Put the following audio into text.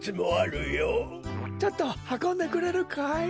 ちょっとはこんでくれるかい？